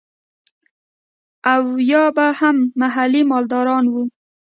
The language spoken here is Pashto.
او يا به هم محلي مالداران وو.